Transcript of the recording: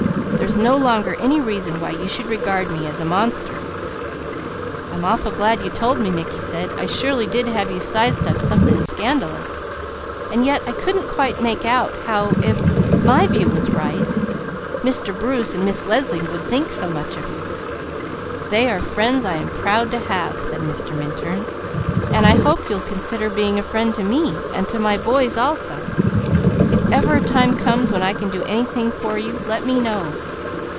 There's no longer any reason why you should regard me as a monster " "I'm awful glad you told me," Mickey said. "I surely did have you sized up something scandalous. And yet I couldn't quite make out how, if my view was right, Mr. Bruce and Miss Leslie would think so much of you." "They are friends I'm proud to have," said Mr. Minturn. "And I hope you'll consider being a friend to me, and to my boys also. If ever a times comes when I can do anything for you, let me know."